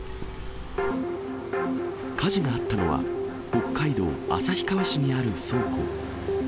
火事があったのは、北海道旭川市にある倉庫。